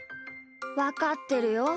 わかってるよ。